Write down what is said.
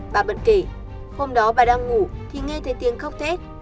bà bận kể hôm đó bà đang ngủ thì nghe thấy tiếng khóc tết